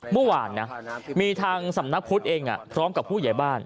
เมื่อวานนะมีทางสำนักพุทธเองพร้อมกับผู้ใหญ่บ้าน